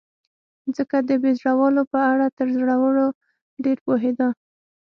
ځکه د بې زړه والاو په اړه تر زړورو ډېر پوهېده.